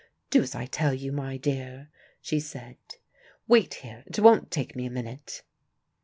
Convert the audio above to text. "Do as I tell you, my dear," she said. "Wait here: it won't take me a minute."